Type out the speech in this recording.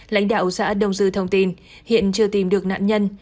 lãnh đạo xã đông dư thông tin hiện chưa tìm được nạn nhân